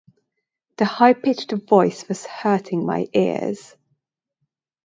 The high-pitched voice was hurting my ears.